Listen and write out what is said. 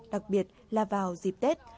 đặc biệt là vào dịp tết